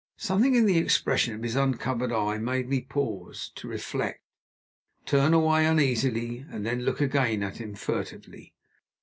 Something in the expression of his uncovered eye made me pause reflect turn away uneasily and then look again at him furtively.